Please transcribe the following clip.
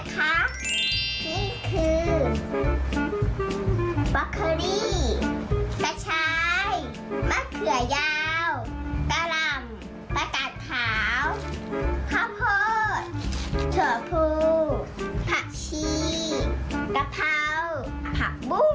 นี่คือบล็อกเคอรี่กระชายมะเขือยาวกะหล่ำประกาศขาวข้าวโพดถั่วพูผักชีกะเพราผักบุ้ง